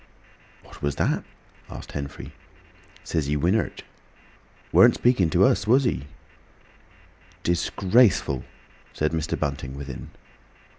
"What was that?" asked Henfrey. "Says he wi' nart," said Hall. "Warn't speaking to us, wuz he?" "Disgraceful!" said Mr. Bunting, within.